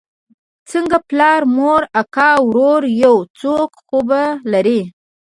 څنگه پلار مور اکا ورور يو څوک خو به لرې.